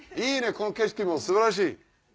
この景色も素晴らしい！